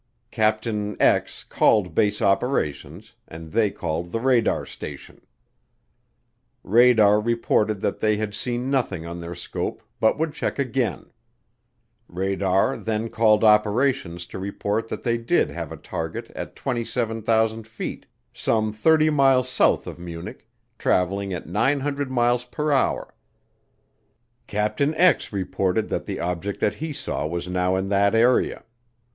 Capt. called base operations and they called the radar station. Radar reported that they had seen nothing on their scope but would check again. Radar then called operations to report that they did have a target at 27,000 feet, some 30 miles south of Munich, traveling at 900 mph. Capt. reported that the object that he saw was now in that area.